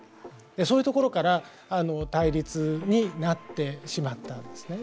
そういうところから対立になってしまったんですね。